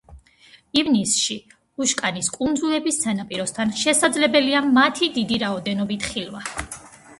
ივნისში უშკანის კუნძულების სანაპიროსთან შესაძლებელია მათი დიდი რაოდენობით ხილვა.